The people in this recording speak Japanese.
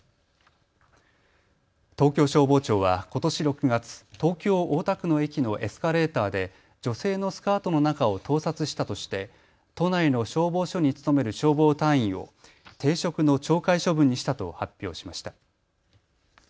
東京消防庁はことし６月、東京大田区の駅のエスカレーターで女性のスカートの中を盗撮したとして都内の消防署に勤める消防隊員を停職の懲戒処分にしたと発表しました。